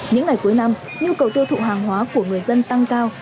những ngày cuối năm nhu cầu tiêu thụ hàng hóa của người dân tăng cao